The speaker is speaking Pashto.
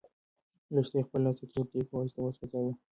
لښتې خپل لاس د تور دېګ په واسطه وسوځاوه.